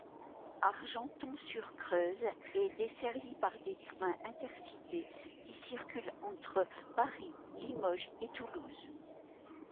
Argenton-sur-Creuse est desservie par des trains Intercités, qui circulent entre Paris, Limoges et Toulouse.